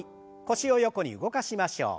腰を横に動かしましょう。